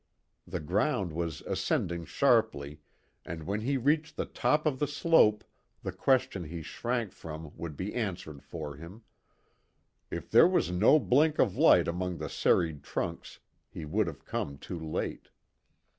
The ground was ascending sharply and when he reached the top of the slope the question he shrank from would be answered for him; if there was no blink of light among the serried trunks, he would have come too late.